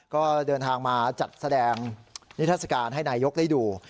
ก็เดินทางมาจัดแสดงนิทัศกาลให้นายกได้ดู